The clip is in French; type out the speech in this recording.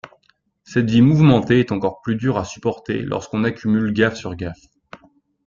Cette vie mouvementée est encore plus dure à supporter lorsqu'on accumule gaffes sur gaffes.